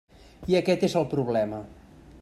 I aquest és el problema.